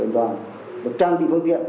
được trang bị phương tiện